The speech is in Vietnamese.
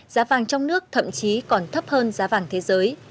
giá vàng trong nước thậm chí còn thấp hơn giá vàng thế giới